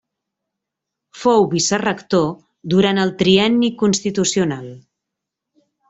Fou vicerector durant el Trienni Constitucional.